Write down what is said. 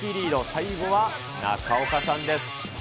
最後は中岡さんです。